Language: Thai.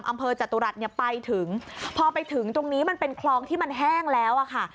ของที่คืออจตุรัติไปถึงพอไปถึงมันเป็นคลองแห้งแล้วค่ะ